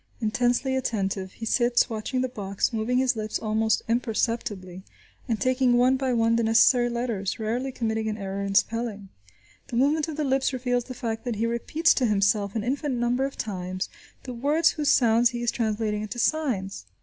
Intensely attentive, he sits watching the box, moving his lips almost imperceptibly, and taking one by one the necessary letters, rarely committing an error in spelling. The movement of the lips reveals the fact that he repeats to himself an infinite number of times the words whose sounds he is translating into signs.